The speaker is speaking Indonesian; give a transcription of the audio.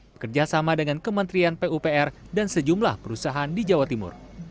bekerja sama dengan kementerian pupr dan sejumlah perusahaan di jawa timur